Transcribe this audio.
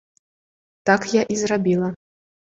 Так я і зрабіла.